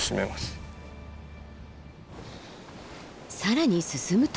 更に進むと。